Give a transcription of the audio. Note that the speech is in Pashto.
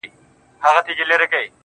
قرآن، انجیل، تلمود، گیتا به په قسم نیسې,